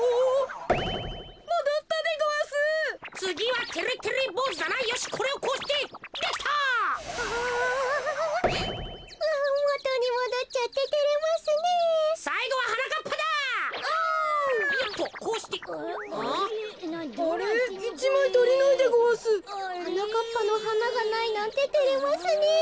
はなかっぱのはながないなんててれますねえ。